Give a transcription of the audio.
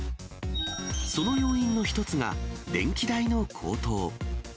その要因の一つが電気代の高騰。